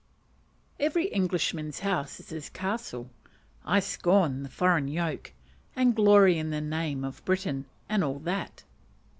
"Every Englishman's house is his castle," "I scorn the foreign yoke," and glory in the name of Briton, and all that.